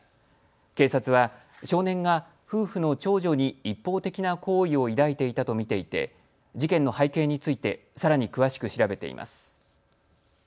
警察は、少年が夫婦の長女に一方的な好意を抱いていたと見ていて事件の背景についてさらに詳しく調べています。